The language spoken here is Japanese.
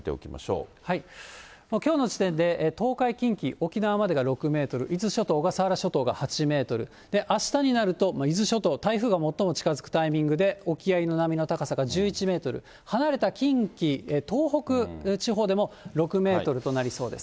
きょうの時点で、東海、近畿、沖縄までが６メートル、伊豆諸島、小笠原諸島が８メートル、あしたになると、伊豆諸島、台風が最も近づくタイミングで沖合の波の高さが１１メートル、離れた近畿、東北地方でも、６メートルとなりそうです。